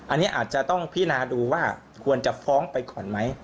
อันนี้อาจจะต้องพินาดูว่าควรจะฟ้องไปก่อนไหม